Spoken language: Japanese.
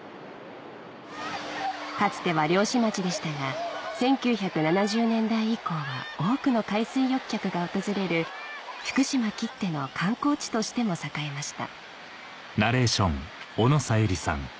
かつては漁師町でしたが１９７０年代以降は多くの海水浴客が訪れる福島きっての観光地としても栄えました